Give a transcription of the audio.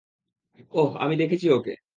ওহ, আমি দেখেছি ওকে।